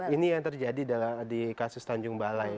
ini yang terjadi di kasus tanjung balai